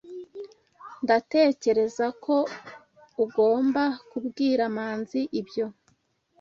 Ndatekereza ko ugomba kubwira Manzi ibyo.